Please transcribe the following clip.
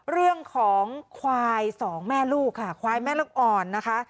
เรื่องของควายสองแม่ลูกค่ะควายแม่ลูกอ่อนนะคะ